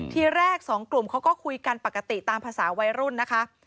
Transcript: ทีแรกสองกลุ่มเขาก็คุยกันปกติตามภาษาวัยรุ่นนะคะ